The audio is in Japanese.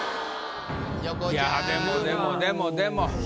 いやでもでもでもでも。